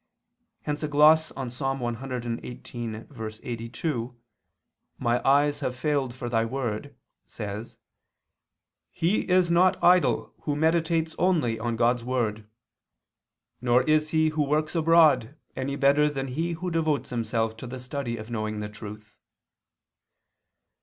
Hence a gloss on Ps. 118:82, "My eyes have failed for Thy word," says: "He is not idle who meditates only on God's word; nor is he who works abroad any better than he who devotes himself to the study of knowing the truth."